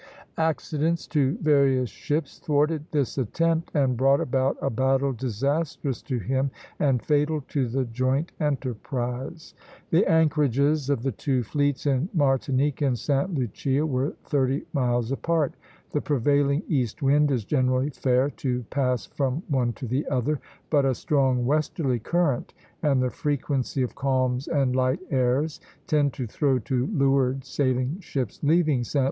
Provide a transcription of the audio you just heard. Accidents to various ships thwarted this attempt, and brought about a battle disastrous to him and fatal to the joint enterprise. The anchorages of the two fleets, in Martinique and Sta. Lucia, were thirty miles apart. The prevailing east wind is generally fair to pass from one to the other; but a strong westerly current, and the frequency of calms and light airs, tend to throw to leeward sailing ships leaving Sta.